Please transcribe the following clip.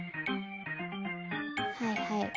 はいはい。